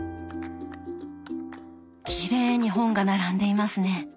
きれいに本が並んでいますね。